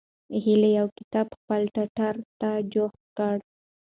هیلې یو کتاب خپل ټټر ته جوخت کړ.